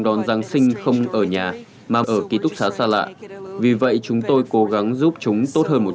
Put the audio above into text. đón giáng sinh không ở nhà mà ở ký túc xá xa lạ vì vậy chúng tôi cố gắng giúp chúng tốt hơn một